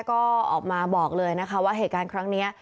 ก็ออกมาบอกเลยนะคะว่าเหตุการณ์ครั้งนี้